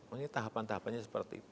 ini tahapan tahapannya seperti itu